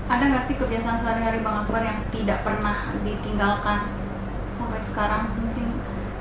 ada nggak sih kebiasaan sehari hari bang akbar yang tidak pernah ditinggalkan sampai sekarang mungkin